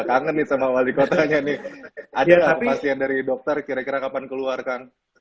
kangen nih sama wali kotanya nih ada gak kepasien dari dokter kira kira kapan keluarkan